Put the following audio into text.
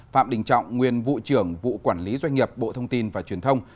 phạm đình trọng nguyên vụ trưởng vụ quản lý doanh nghiệp bộ thông tin và truyền thông